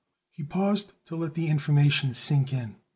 He paused to let the information sink in.